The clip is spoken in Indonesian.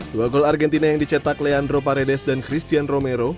dua gol argentina yang dicetak leandro paredes dan christian romero